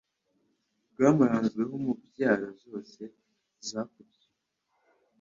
bwamuranzweho mu mbyaro zose zakurikiye